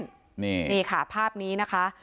นี่ค่ะภาพนี้นะคะ